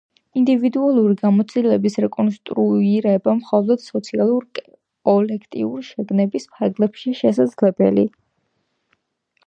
ინდივიდუალური გამოცდილების რეკონსტრუირება მხოლოდ სოციალური კოლექტიური შეგნების ფარგლებშია შესაძლებელი.